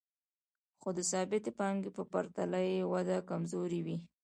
خو د ثابتې پانګې په پرتله یې وده کمزورې وي